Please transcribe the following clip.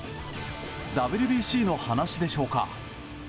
ＷＢＣの話でしょうか？